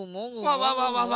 わわわわわ！